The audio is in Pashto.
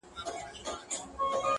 زما د زړه کوتره.